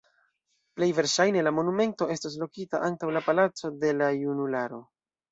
Plej verŝajne la monumento estos lokita antaŭ la Palaco de la Junularo.